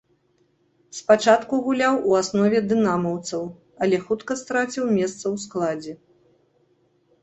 Спачатку гуляў у аснове дынамаўцаў, але хутка страціў месца ў складзе.